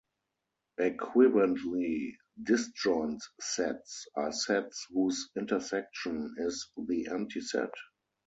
Equivalently, disjoint sets are sets whose intersection is the empty set.